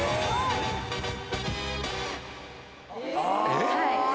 えっ⁉